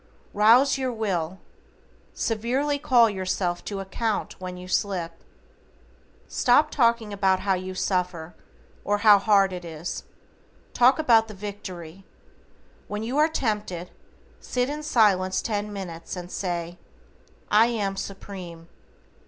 ROUSE YOUR WILL. SEVERELY CALL YOURSELF TO ACCOUNT WHEN YOU SLIP. Stop talking about how you suffer, or how hard it is, talk about the victory. When you are tempted, SIT IN SILENCE TEN MINUTES AND SAY, "I AM SUPREME."